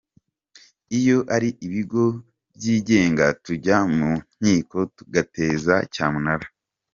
Iyo ari ibigo byigenga tujya mu nkiko tugateza cyamunara.